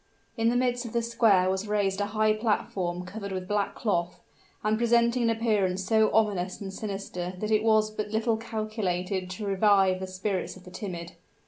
In the midst of the square was raised a high platform covered with black cloth, and presenting an appearance so ominous and sinister that it was but little calculated to revive the spirits of the timid.